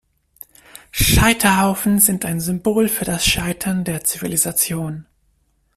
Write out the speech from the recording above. Scheiterhaufen sind ein Symbol für das Scheitern der Zivilisation.